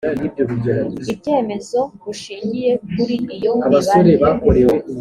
ibyemezo bushingiye kuri iyo mibare